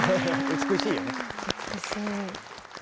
美しい。